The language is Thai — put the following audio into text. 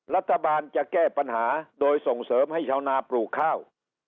รัฐบาลจะแก้ปัญหาโดยส่งเสริมให้ชาวนาปลูกข้าว